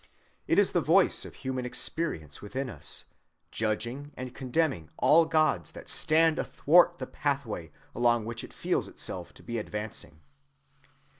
It is the voice of human experience within us, judging and condemning all gods that stand athwart the pathway along which it feels itself to be advancing.